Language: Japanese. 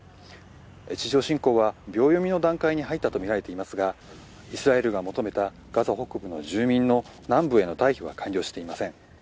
地上侵攻は秒読みの段階に入ったとみられていますがイスラエルが求めたガザ北部の住民の南部への退避は完了していません。